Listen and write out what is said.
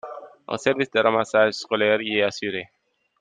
Un service de ramassage scolaire y est assuré.